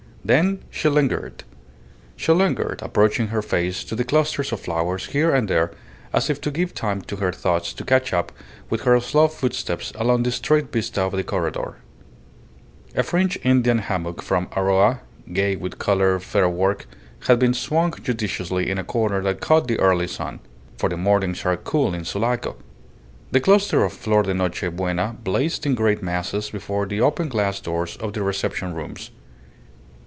Then she lingered. She lingered, approaching her face to the clusters of flowers here and there as if to give time to her thoughts to catch up with her slow footsteps along the straight vista of the corredor. A fringed Indian hammock from Aroa, gay with coloured featherwork, had been swung judiciously in a corner that caught the early sun; for the mornings are cool in Sulaco. The cluster of flor de noche buena blazed in great masses before the open glass doors of the reception rooms.